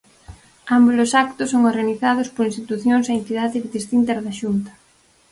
Ambos os actos son organizados por institucións e entidades distintas da Xunta.